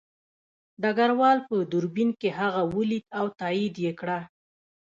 ډګروال په دوربین کې هغه ولید او تایید یې کړه